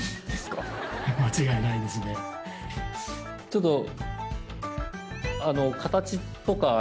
ちょっと。